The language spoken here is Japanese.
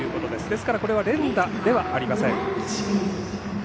ですから連打ではありません。